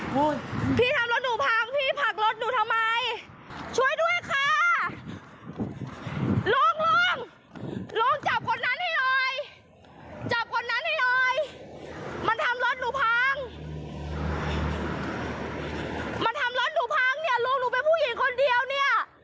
มันทำรถหนูพังเนี่ยลุงหนูเป็นผู้หญิงคนเดียวเนี่ย